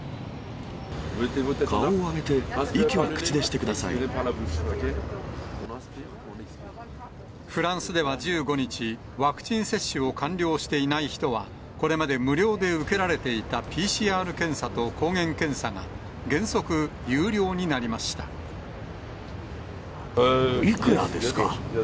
顔を上げて、フランスでは１５日、ワクチン接種が完了していない人は、これまで無料で受けられていたＰＣＲ検査と抗原検査が、原則有料いくらですか。